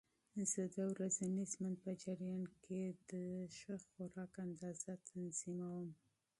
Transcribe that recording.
زه د ورځني ژوند په جریان کې د سنکس اندازه تنظیموم.